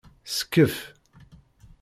Skef.